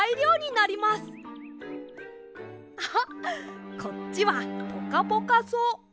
あっこっちはポカポカそう！